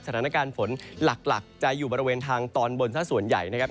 สถานการณ์ฝนหลักจะอยู่บริเวณทางตอนบนซะส่วนใหญ่นะครับ